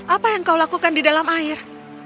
apa yang kau lakukan di dalam air